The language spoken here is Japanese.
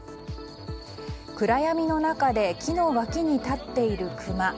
暗闇の中で木の脇に立っているクマ。